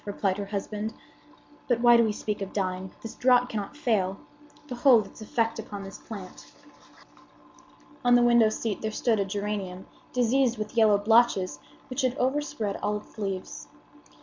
replied her husband "But why do we speak of dying? The draught cannot fail. Behold its effect upon this plant." On the window seat there stood a geranium diseased with yellow blotches, which had overspread all its leaves.